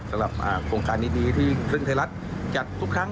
สำหรับโครงการนี้ที่ซึ่งไทยรัฐจัดทุกครั้ง